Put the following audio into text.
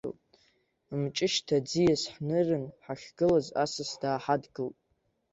Мҷышьҭа аӡиас ҳнырын ҳашгылаз, асас дааҳадгылт.